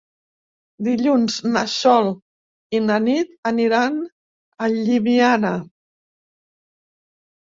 Dilluns na Sol i na Nit aniran a Llimiana.